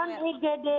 kan igd rumah sakit